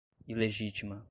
ilegítima